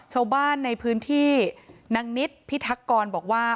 ชาวบ้านในพื้นที่นางนิดพิทักกรบอกว่า